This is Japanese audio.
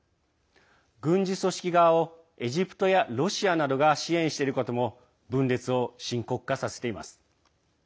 軍事組織側をエジプトやロシアなどが支援していることも分裂を深刻化させています。